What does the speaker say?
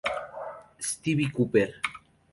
Steve Cropper